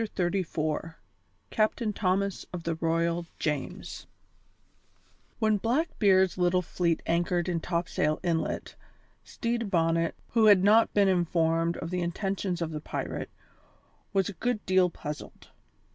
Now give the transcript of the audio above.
CHAPTER XXXIV CAPTAIN THOMAS OF THE ROYAL JAMES When Blackbeard's little fleet anchored in Topsail Inlet, Stede Bonnet, who had not been informed of the intentions of the pirate, was a good deal puzzled.